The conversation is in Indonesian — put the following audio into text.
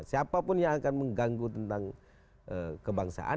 siapa pun yang akan mengganggu tentang kebangsaan